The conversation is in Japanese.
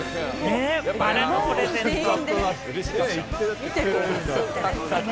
バラのプレゼントも。